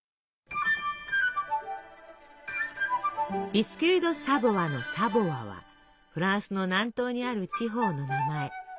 ビスキュイ・ド・サヴォワの「サヴォワ」はフランスの南東にある地方の名前。